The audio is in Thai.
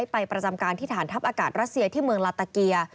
ไปประจำการที่ทหารทัพอากาศรัสเซียที่เมืองลาตเตอร์เกียร์